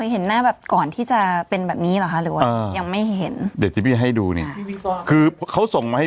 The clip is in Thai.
ให้เยอะ